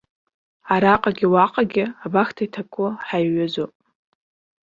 Араҟагьы уаҟагьы абахҭа иҭаку ҳаиҩызоуп.